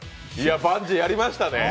バンジーやりましたね。